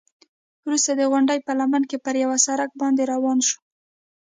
وروسته د غونډۍ په لمن کې پر یوه سړک باندې روان شوو.